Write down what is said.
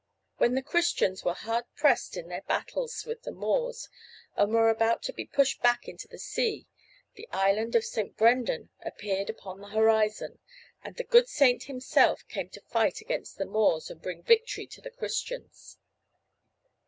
When the Christians were hard pressed in their battles with the Moors and were about to be pushed back into the sea the island of St. Brendan appeared upon the horizon, and the good saint himself came to fight against the Moors and bring victory to the Christians.